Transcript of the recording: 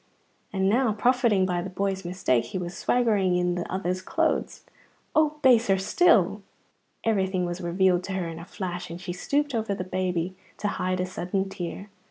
and now, profiting by the boy's mistake, he was swaggering in that other's clothes (oh, baser still!). Everything was revealed to her in a flash, and she stooped over the baby to hide a sudden tear.